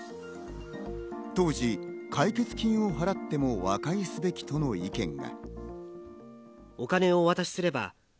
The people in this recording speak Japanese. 当時、解決金を払っても和解すべきとの意見が。